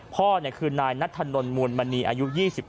พ่อคือนายนัทธนลมูลมณีอายุ๒๙